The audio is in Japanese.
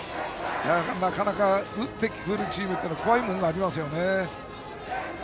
なかなか打ってくるチームは怖いものがありますね。